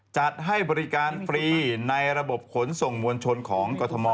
จัดให้บริการฟรีในระบบขนส่งมวลชนของกรทม